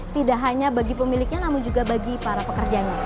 tidak hanya bagi pemiliknya namun juga bagi para pekerjanya